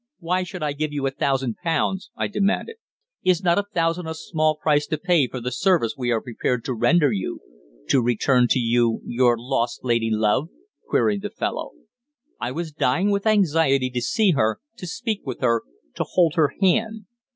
"Why should I give you a thousand pounds?" I demanded. "Is not a thousand a small price to pay for the service we are prepared to render you to return to you your lost lady love?" queried the fellow. I was dying with anxiety to see her, to speak with her, to hold her hand.